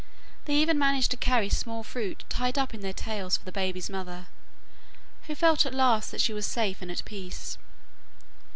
They even managed to carry small fruit tied up in their tails for the baby's mother, who felt at last that she was safe and at peace.